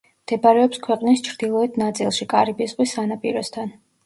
მდებარეობს ქვეყნის ჩრდილოეთ ნაწილში, კარიბის ზღვის სანაპიროსთან.